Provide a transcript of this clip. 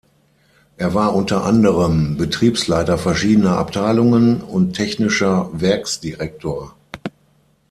Er war unter anderem Betriebsleiter verschiedener Abteilungen und technischer Werksdirektor.